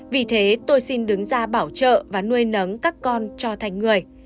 vì thế tôi xin đứng ra bảo trợ và nuôi nấng các con cho thành người